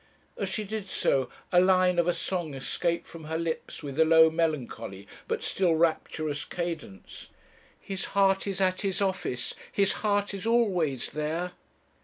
As she did so, a line of a song escaped from her lips with a low, melancholy, but still rapturous cadence 'His heart is at his office, his heart is always there.'